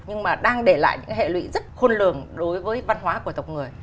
nhưng mà đang để lại những hệ lụy rất khôn lường đối với văn hóa của tộc người